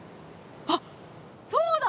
あっそうだ！